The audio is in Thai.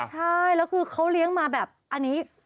ใช่แล้วคือเขาเลี้ยงมาแบบอันนี้